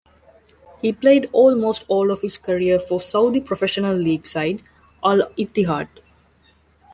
He played almost all of his career for Saudi Professional League side Al Ittihad.